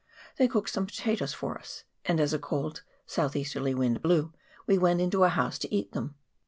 They cooked some potatoes for us, and, as a cold south easterly wind blew, we went into a house to eat them.